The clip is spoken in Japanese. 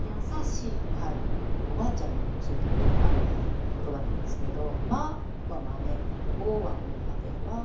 おばあちゃんにね教えてもらった言葉なんですけど。